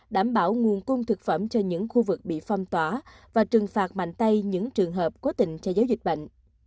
đảm bảo nguồn cung thực phẩm cho những khu vực bị phong tỏa và trừng phạt mạnh tay những trường hợp cố tình che giấu dịch bệnh